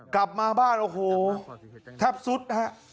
กลับมาบ้านโอ้โหแทบสุดฮะ